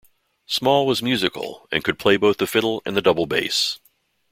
Small was musical and could play both the fiddle and the double bass.